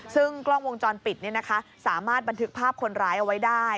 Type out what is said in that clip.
ซึ่งกล้องวงจรปิดสามารถบันทึกภาพคนร้ายเอาไว้ได้